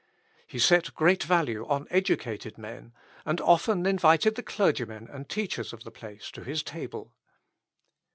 He set great value on educated men, and often invited the clergymen and teachers of the place to his table.